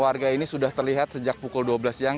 warga ini sudah terlihat sejak pukul dua belas siang